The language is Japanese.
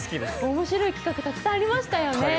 面白い企画、たくさんありましたよね。